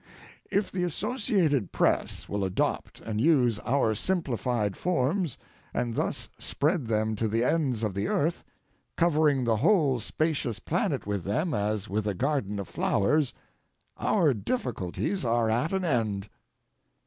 If the Associated Press will adopt and use our simplified forms, and thus spread them to the ends of the earth, covering the whole spacious planet with them as with a garden of flowers, our difficulties are at an end.